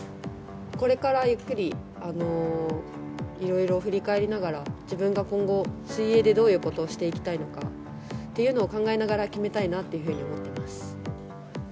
これからゆっくり、いろいろ振り返りながら、自分が今後、水泳でどういうことをしていきたいのかっていうことを考えながら決めたいなっていうふうに思っています。